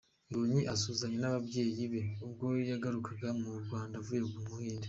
Mbonyi asuhuzanya nababyeyi be ubwo yagarukaga mu Rwanda avuye mu Buhinde.